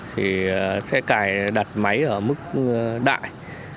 thì sẽ cài đặt máy ở mức đại